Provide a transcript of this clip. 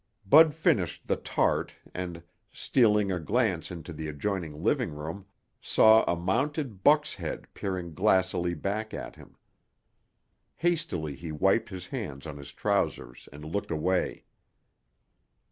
Bud finished the tart and, stealing a glance into the adjoining living room, saw a mounted buck's head peering glassily back at him. Hastily he wiped his hands on his trousers and looked away.